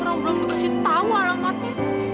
orang orang dikasih tau alam mati